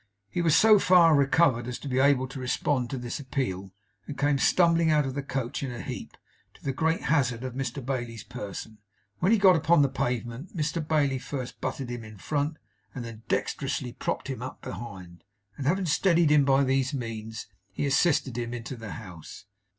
He was so far recovered as to be able to respond to this appeal, and to come stumbling out of the coach in a heap, to the great hazard of Mr Bailey's person. When he got upon the pavement, Mr Bailey first butted at him in front, and then dexterously propped him up behind; and having steadied him by these means, he assisted him into the house.